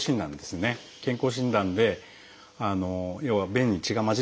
健康診断で要は便に血が混じってるか。